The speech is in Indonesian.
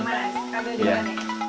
mau gak silahkan